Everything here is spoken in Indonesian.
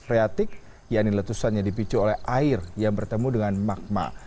letusan reatik yang dipicu oleh air yang bertemu dengan magma